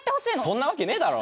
そんなわけねえだろ！